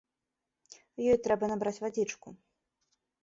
Ёй трэба набраць вадзічку.